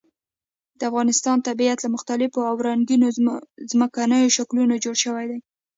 د افغانستان طبیعت له مختلفو او رنګینو ځمکنیو شکلونو جوړ شوی دی.